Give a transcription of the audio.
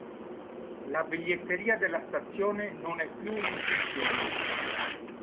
La biglietteria della stazione non è più in funzione.